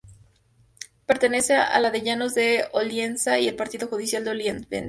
Pertenece a la de Llanos de Olivenza y al Partido judicial de Olivenza.